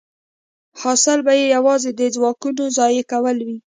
حاصل به یې یوازې د ځواکونو ضایع کول وي